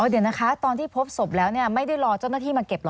เดี๋ยวนะคะตอนที่พบศพแล้วไม่ได้รอเจ้าหน้าที่มาเก็บหรอ